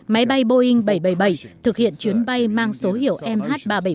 máy bay boeing bảy trăm bảy mươi bảy thực hiện chuyến bay mang số hiệu mh ba trăm bảy mươi